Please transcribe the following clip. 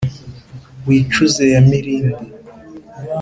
wicuze ya mirindi,